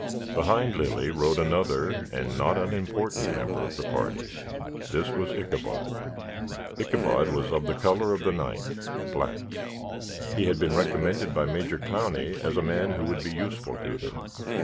Behind Lilly rode another and not unimportant member of the party. This was Ichabod. Ichabod was of the color of the night, black. He had been recommended by Major Clowney as a man who would be useful to them.